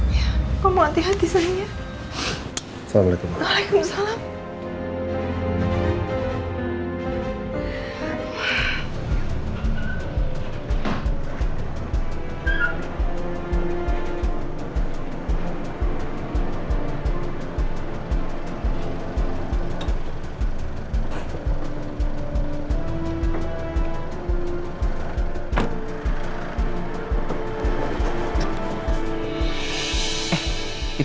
nanti asan permisi